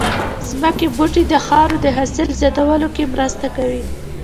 ځمکې بوټي د خاورې د حاصل زياتولو کې مرسته کوي